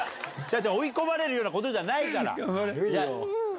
追い込まれるようなことじゃないから！